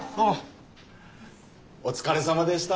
お疲れさまでした。